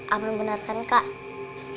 aman bener kan kak